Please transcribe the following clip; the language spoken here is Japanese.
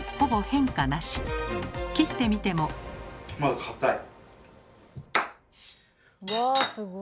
切ってみても。わすごい。